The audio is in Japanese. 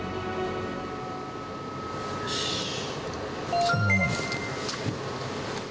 よし、そのままね。